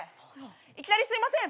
いきなりすいません。